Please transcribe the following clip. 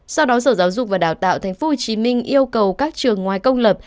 sau đó sở giáo dục và đào tạo tp hcm yêu cầu các trường ngoài công lập